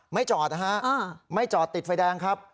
ไม่จอดนะฮะไม่จอดติดไฟแดงครับ